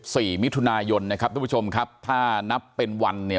สี่มิถุนายนนะครับทุกผู้ชมครับถ้านับเป็นวันเนี่ย